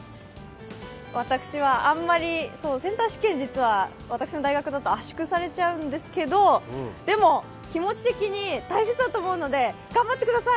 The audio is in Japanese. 私はあんまりセンター試験は私の大学では圧縮されちゃうんですけどでも、気持ち的に大切だと思うんで頑張ってください！